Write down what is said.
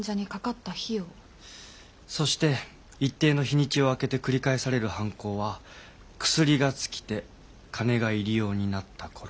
そして一定の日にちを空けて繰り返される犯行は薬が尽きて金が入り用になったころ。